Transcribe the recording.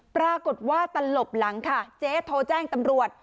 ปรากฏว่าตลบหลังค่ะเจ๊โทรแจ้งตำรวจ